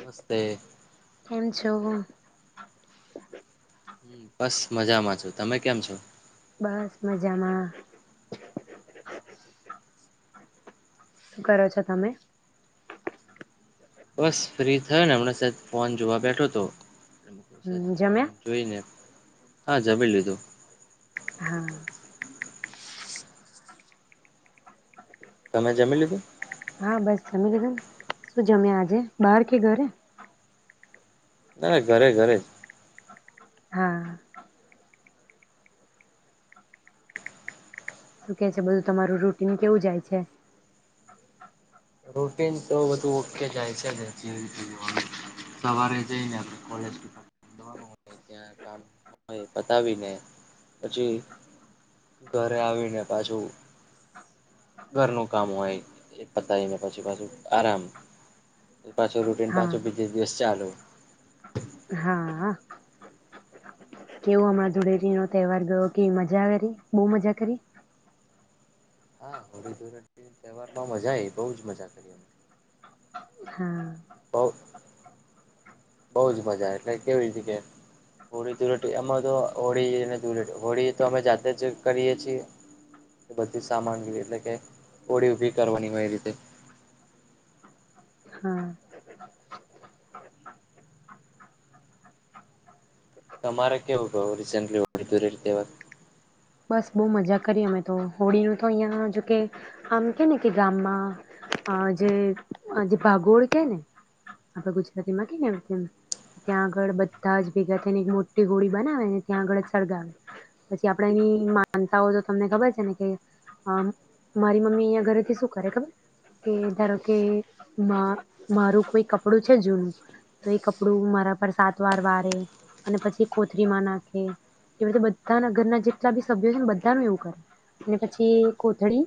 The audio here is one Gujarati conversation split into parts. નમસ્તે કેમ છો? હ બસ મજામાં છો. તમે કેમ છો? બસ મજામાં. શું કરો છો તમે? બસ ફ્રી થયો ને હમણાં સહેજ ફોન જોવા બેઠો હતો. એમ કઉ સેજ હમ ફોન જમ્યા? જોઈ ને હા જમી લીધું. હા તમે જમી લીધું? હા બસ જમી લીધું ને. શું જમ્યા આજે બાર કે ઘરે? ના ના ઘરે ઘરે. હા શું કે છે બધું તમારું રૂટીન કેવું જાય છે? રૂટીન તો બધું ઓકે જાય છે ને [inaudible] સવારે [inaudible] કોલેજ જવાનું ને કામ પતાવીને પછી ઘરે આવીને પાછું ઘરનું કામ હોય એ પતાવીને પછી પાછું આરામ. પાછો રૂટીન હા પાછો બીજુ દિવસ ચાલુ. હા કેવું હમણાં ધુળેરી નો તહેવાર ગયો. કેવી મજા કરી, બહુ મજા કરી? હા. હોળી ધુળેટી ના તહેવાર માં મજા આવી બઉ જ મજા કરી અમે. હા. બહુજ મજા એટલે કેવી રીતે કે હોળી ધુળટી એમાં તો હોળી અને ધુળટી હોળી તો અમે જાતે જ કરીએ છીએ બધી સામાની એટલે કે હોળી ઊભી કરવાની હોઈ રીતે. હા. [unintelligible] [inaudible] બસ બહુ મજા કરીએ અમે તો હોળીનું તો અહિયાં જોકે આમ કે ને કે ગામમાં જે ભાગોળ કેને આપડ ગુજરાતીમાં કેને ત્યાં આગળ બધા જ ભેગા થઈને એક મોટી હોળી બનાવેને ત્યાં આગળ સળગાવે પછી. માન તો તમને ખબર છે ને કે મારી મમ્મી અહીં ઘરેથી શું કરે ખબર કે ધારો કે મારું કોઈ કપડું છે, જૂનું તો એ કપડું મારા પર સાત વાર વારે અને પછી કોથરીમાં નાખે [unintelligible] બધાના ઘરના જે. સભ છે, ને બધા ન એવું કરે અને પછી કોથળી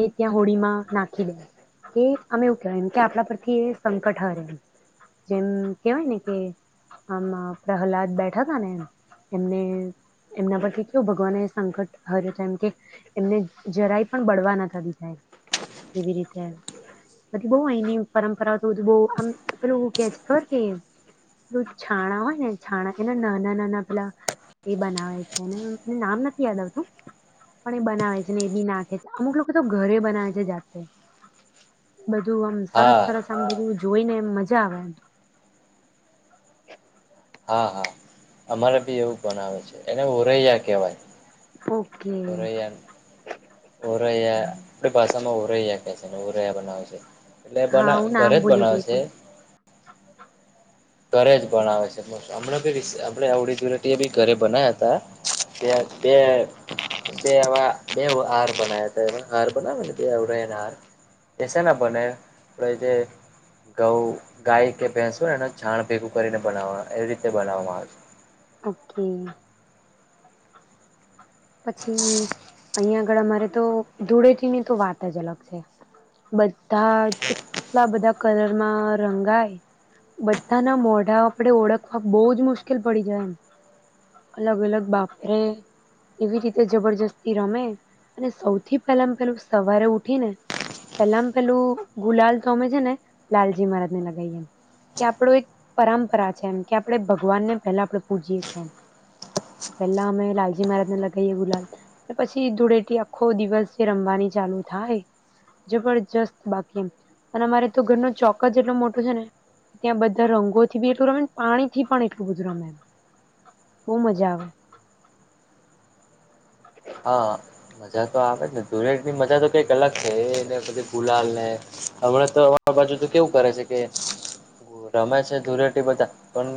એ ત્યાં [unintelligible] નાખી દે કે અમે એવું કેહેવાય એમ કે આપણા પરથી એ સંકટ હરે એ જેમ કેહેવાય ને કે આમાં પ્રહલાદ બેઠા હતા ને એમ એમને એમના પરથી. કેવું ભગવાન એ સંકટ હર્યું એમ કે એમને જરાય પણ બળવા ના થ દીધાય એવી રીતે બધી બહ અહીની પરંપરાઓ તો બધું બહ આમ [unintelligible] કે છે ખબર કે છાણા હોય ને છાણા એના નાના નાના પેલા એ બનાવે છેને. નામ નથી યાદ આવતું પણ એ બનાવે છે, ને એ બી નાખે છે, અમુક લોકો તો ઘરે બનાવે છે, જાતે. બધું આમ સરસ હા સરસ આમ બધું. જોઈને એમ મજા આવે એમ. હા હા અમારે બી એવું પણ આવે છે, એને ઓરૈયા. ઓકે [unintelligible] [inaudible] [inaudible] બનાવશે. એટલે હા બના હું ઘરે નામ જ ભૂલી ગઈ બનાવશે. હતી ઘરે જ પણ આવે છે હમણાં બી આપણે આવડી ધુલટીએ બી ઘરે [unintelligible] હતા [unintelligible] [unintelligible] બેવ. હાર બનાવ હતા એ હાર બનાવે ને આવડેને હાર કે છે, ના બને આપ જે ઘઉ ગાય કે ભેંસો નેને. છાણ ભેગું કરીને બનાવવા એવી રીતે. તે બનાવવામાં આવેશે. ઓકે. પછી. અહીં આગળ અમારે તો ધૂળેથીની તો વાત જ અલગ છે, બધા જ એટલા બધા કલરમાં રંગાય બધાના મોઢા આપડે ઓળખવા બહ જ મુશ્કેલ પડી જાય એમ અલગ અલગ બાપરે. એવી રીતે જબરજસ્તી રમે અને સૌથી પહેલામ પેલું સવારે ઉઠી ને પહેલામ પેલું ગુલાલ તો અમે છે, ને લાલજી મહારાજ ને લગાવએ કે આપડ એક પરંપરા છે એમ કે આપણેે ભગવાનને પેલા આપણે પૂજીએ છી તો પેલા અમે લાલજી મહારાજ. [unintelligible] ગુલાલ પછી ધૂળેટી આખો દિવસ જે રમવાની ચાલુ થાય જબરજસ્ત બાકી એ અને અમારે તો ઘર ન ચોક્કસ એટલો મોટો છે, ને ત્યાં બધા રંગોથી બી એટલું રમે પાણી થી પણ એટલું બધું રમે એમ બહ મજા આવે. હા મજા તો આવે ને ધૂળેટીની મજા તો કઈક અલગ છે, એને બધી ભૂલા ને હમણાં તો અ બાજુ તો કેવું કરે છે, કે રમે છે, ધૂળેટી બધા પણ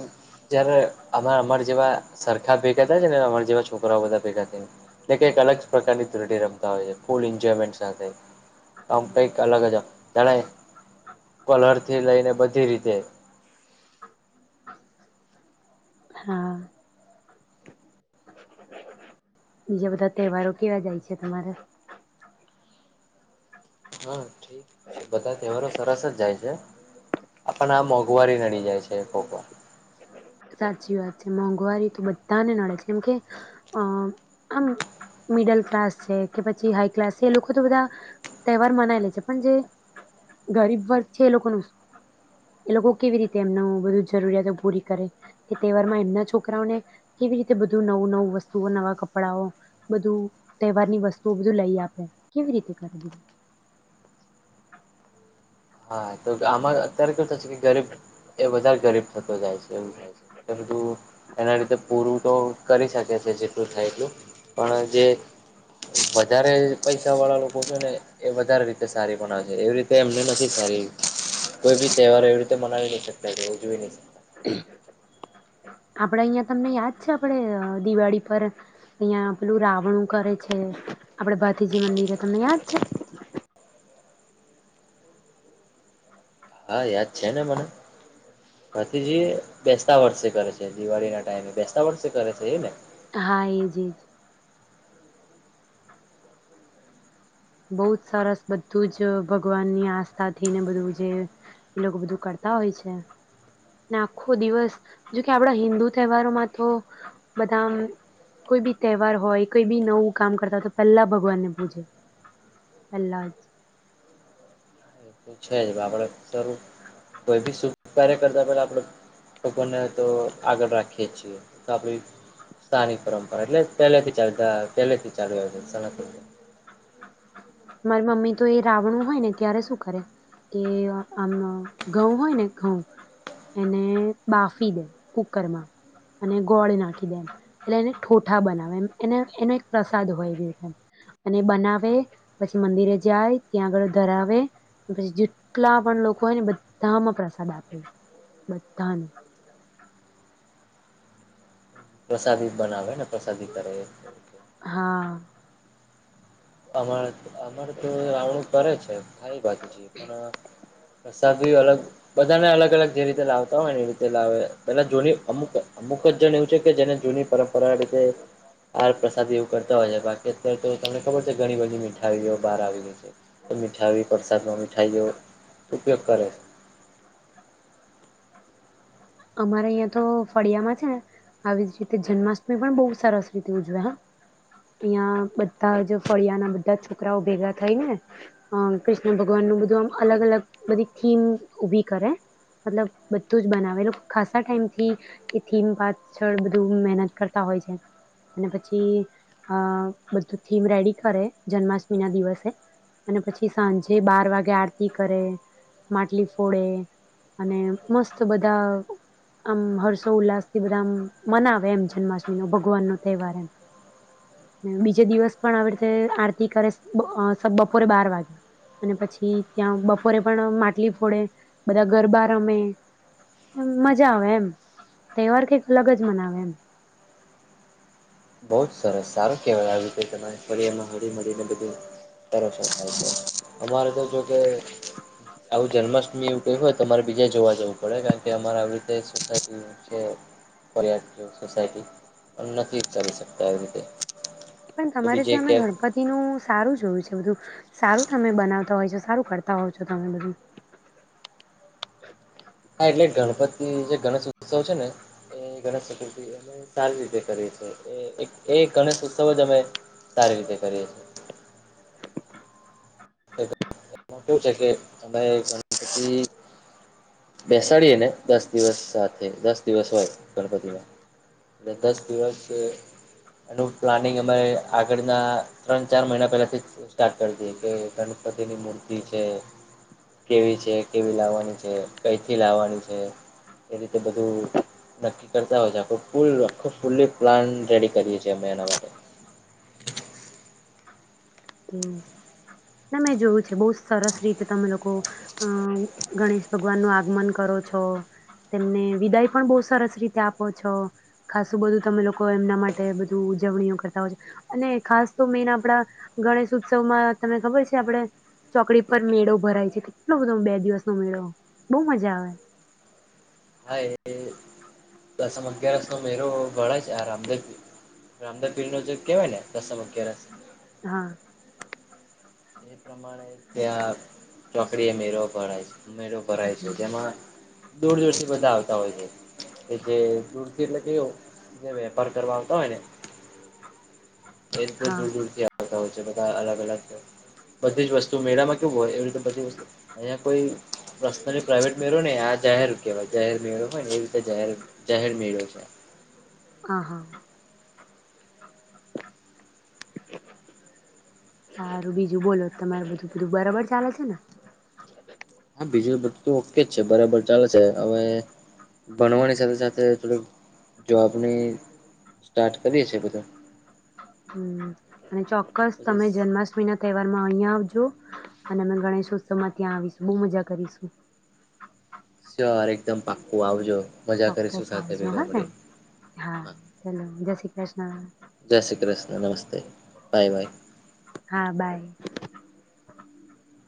જયારે અ અમાર જેવા સરખા ભેગા થ છે ને અમાર જેવા છોકરાઓ બધા ભેગા થને. એ કંઈક અલગ પ્રકારની ત [unintelligible] રમતા હોય છે, ફૂલ એન્જોયમેન્ટ સાથે આમ કંઈક અલગ જ જાણે કલરથી લઈને બધી રીતે. હા બીજા બધા તહેવારો કેવા જાય છે [unintelligible] હા ઠીક છે, બધા તહેવારો સરસ જ જાય છે, આપણ આ મોંઘવારી નડી જાય છે. [unintelligible] સાચી વાત છે, મોંઘવારી તો બધાને નડે છે એમ કે અ આમ મિડલ ક્લાસ છે, કે પછી હાઈ ક્લાસ છે, એ લોકો તો બધા તહેવાર મનાય લે છે, પણ જે ગરીબ વર્ગ છે, એ લોકોનું એ લોકો કેવી રીતે એમનું બધું જરૂરિયાતો પૂરી કરે. કે તહેવાર માં એમના છોકરાઓને કેવી રીતે બધું નવું નવું વસ્તુઓ નવા કપડાઓ બધું તહેવાર ની વસ્તુઓ બધું લઈ આપડે કેવી રીતે કર દ. હા તો આમાં અત્યારે કેું થશે કે ગરીબ એ વધારે ગરીબ થતો. તો જાય છે એવું થાય છે, એ બધું એના [unintelligible] પૂરું તો. કરી શકે છે, જેટલું થાય એટલું પણ જે વધારે પૈસાવાળા લોકો છે, ને એ વધારે રીતે સારી બનાવે છે, એવી રીતે એમને નથી. [unintelligible] કોઈ ભી તહેવાર [unintelligible] મનાવી ન શકજઈ નહી. આપડે અહિયાં તમને યાદ છે, આપડે દિવાળી પર અહિયાયા પેલું રાવણું કરે છે, આપડે ભાતીજી મંદિરે તમને યાદ છે. હા યાદ છે ને મને, ભથીજી બેસતા વર્ષે કરે છે દિવાળી ના ટાઈમે બેસતા વર્ષે કરે છે એ ને. હા એજ એજ. બહુ જ સરસ બધું જ ભગવાન ની આસ્થાથીઈને બધું જે, એ લોકો બધું કરતા હોય છે, આખો દિવસ જોકે આપણા હિન્દુ તહેવારોમાં તો બધા કોઈ બી તહેવાર હોય કોઈ બી નવું કામ કરતા હોય તો પહેલા ભગવાનને પૂજે. પલાજ. છે જ આપણેે શ કોઈ બી શુ કાર્ય કરતા પેલા આપણે લોકોને તો આગળ રાખીએ છીએ, તો આપ સ્થાનિક પરંપરા એટલે પહેલે થી ચાલ પહેલેથી ચાલુ આવે છે. મારી મમ્મી તો એ રાવણું હોય ને ત્યારે શું કરે, કે આમ ઘઉં હોય ને ઘઉં એને બાફી દે કુકરમાં અને ગોળ નાખી દે એમ, એટલે એને ઠોઠા બનાવે એમ એને એનો એક પ્રસાદ હોયમ, અને બનાવે પછી મંદિરે જાય ત્યાં આગળ ધરાવે, પછી જેટલા પણ લોકો હોય ને બધામાં પ્રસાદ આપે, બધાને. પ્રસાદી બનાવે ને પ્રસાદી કરે એ. હા. અવાર અમારે તો આવણું કરે છે ખારી બાજુ છે પણ પ્રસાદી અલગ બધાને અલગ અલગ જે રીતે લાવતા હોય ને એ રીતે લાવે પેલા જૂની અમુક અમુક જ જણ એવું છે કે જેને જૂની પરંપરા રીતે, આ પ્રસાદી એવું કરતા હોય છે બાકી અત્યારે તો તને ખબર છે ઘણી બધી મીઠાવઓ બહાર આવી ગ છે, તો મીઠાવી પડ સાનો મિઠાઈઓ ઉપયોગ કરે. અમારે અહં તો ફળિયામાં છે ને, આવી જ રીતે જન્માષ્ટમી પણ બહુ સરસ રીતે ઉજવે અહં, બધા જ ફળિયા ના બધા છોકરાઓ ભેગા થઈ ને, અ કૃષ્ણ ભગવાન નું બધું આમ અલગ અલગ બધી થીમ ઉભી કરે,, મતલબ બધું જ બનાવેલું ખાસ ટાઈમથી, એ થીમ પાછળ બધું મહેનત કરતા હોય છે, અને પછી અ બધું થીમ રેડી કરે જન્માષ્ટમી ના દિવસે, અને પછી સાંજે બાર વાગે આરતી કરે, માટલી ફોડે, અને મસ્ત બધા આમ હર્ષો ઉલ્લાસ થી બધા આમ મનાવે એમ જન્માષ્ટમી નો ભગવાન નો તહેવાર એમ, બીજે દિવસ પણ આવી રીતે આરતી કરે બપોરે બાર વાગે, અને પછી ત્યાં બપોરે પણ માટલી ફોડે, બધા ગરબા રમે. મજા આવે એમ તહેવાર કંઈક અલગ જ મનાવે એમ. બહુ જ સરસ સારું કહેવાય આવી રીતે તમારી ફરિયામાં હળી મળીને બધું તસ થાય છે, અમારે તો જોકે આવું જન્માષ્ટમી એવું કવું હોય તો તમારે બીજા જોવા જવું પડે કારણ કે અમારે આવી રીતે સોસાયટી છે ફરિયાદ સોસાયટી પણ નથી. ચલી શકતા આવી રીતે. પણ તો તમારે બીજે ત્યા અમે ક્યાંક ગણપતિ નું સારું જોયું છે બધું. સારું તમે બનાવતા હોય છો સારું કરતા હોવ છો તમે બધું. હા એટલે ગણપતિ જે ગણેશ ઉત્સવ છે ને, એ ગણેશ ચતુર્થી અમે સારી રીતે કરીએ છીએ, એ ગણેશ ઉત્સવ જ અમે સારી રીતે કરીએ છીએ. એ કેવું છે કે અમે ગણપતિ બેસાડીએ ને દસ દિવસ સાથે દસ દિવસ હોય ગણપતિમાં એલે દસ દિવસ એનું પ્લાનિંગ અમારે આગળના ત્રણ ચાર મહિના પહેલાથી સ્ટાર્ટ કરી દએ કે ગણપતિ તેની મૂર્તિ છે, કેવી છે કેવી લાવવાની છે કઈથી લાવવાની છે, એ રીતે બધું નક્કી કરતા હોય છે આખ ફૂલ ફૂલ્લી પ્લાન રેડી કરીએ છીએ અમે એના માટે. કે ના મેં જોયું છે બહુ સરસ રીતે તમે લોકો અ ગણેશ ભગવાન નું આગમન કરો છો તેમને વિદાય પણ બહુ સરસ રીતે આપો છો, ખાસું બધું તમે લોકો એમના માટે બધું ઉજવણીઓ કરતા હોય છો, અને ખાસ તો મેન આપડા ગણેશ ઉત્સવમાં તમને ખબર છે આપડણે ચોકડી પર મેળો ભરાય છે, કેટલો બધો બે દિવસ નો મેળો બહુ મજા આવે. હા એ દસમ અગિયારસ નો મેરો ભળ છે આ રામદેપીર, રામદેપીર નો જે કેવાય ને દસમ અગયારસ હા. એ પ્રમાણે ત્યાં ચોકડી એ મેળવ પડાય છે. મેળો ભરાય છે હમ. જેમાં દૂર દૂર થી બધા આવતા હોય છે, કે જે દૂર થી એટલે કેું જે વેપાર કરવા આવતા હોય ને એ હા તો દુરથી બધા અલગ અલગ બધી જ વસ્તુ મેળામાં કેવું હોય એવી રીતે બધીસ્ત અહીયા કોઈ પર્સનલી પ્રાઇવેટ મેળો ને આ જાહેર કેહેવાય જાહેર મેળો હોય ને એવી રીતે જાર જાહેર મેળો છે. હ હા, સારું બીજું બોલો તમાર બધું બધું બરાબર ચાલે છે ને. હા બીજો બધ ઓકે જ છે બરાબર ચાલે છે હવે, ભણવાની સાથે સાથે થોડીક જોબની સ્ટાર્ટ કરીએ છે બધું. હમ અને ચોક્કસ તમે પછી જન્માષ્ટમી ના તહેવાર અહીં આવજો, અને અ ગણેશ ઉત્સવમાં ત્યાં આવીશું બહુ મજા કરીશું. એકદમ પાક્કું આવજો. મજા કરીશું ચોક્કસ સાથે આવજો ભેગા હા ને, મળીને હા ચલો જય શ્રી કૃષ્ણ જય શ્રી કૃષ્ણ નમસ્તે બાય બાય હા બાય.